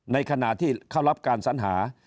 ในขณะที่เข้ารับการสัญหา